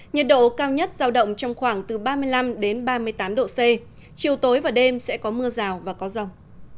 nhiệt độ cao nhất giao động trong khoảng từ ba mươi năm ba mươi tám độ c chiều tối và đêm sẽ có mưa rào và có rồng